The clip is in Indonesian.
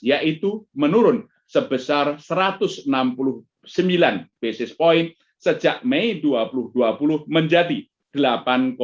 yaitu menurun sebesar satu ratus enam puluh sembilan basis point sejak mei dua ribu dua puluh menjadi delapan delapan puluh enam pada mei dua ribu dua puluh satu